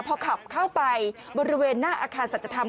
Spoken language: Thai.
พอขับเข้าไปบริเวณหน้าอาคารสัจธรรม